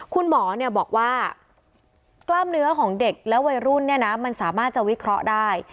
คุณหมอบอกว่ากล้ามเนื้อของเด็กและวัยรุ่นมันสามารถจะวิเคราะห์ได้